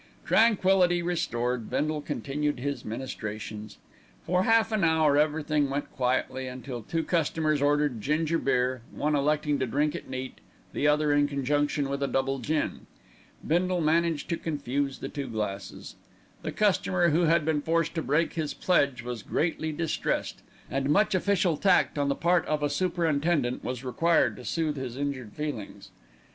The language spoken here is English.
Tranquillity restored, Bindle continued his ministrations. For half an hour everything went quietly until two customers ordered ginger beer, one electing to drink it neat, and the other in conjunction with a double gin. Bindle managed to confuse the two glasses. The customer who had been forced to break his pledge was greatly distressed, and much official tact on the part of a superintendent was required to soothe his injured feelings.